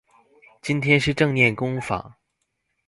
今天是正念工坊